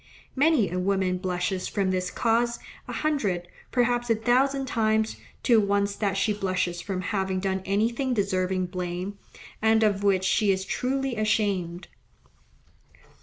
Many a woman blushes from this cause, a hundred, perhaps a thousand times, to once that she blushes from having done anything deserving blame, and of which she is truly ashamed.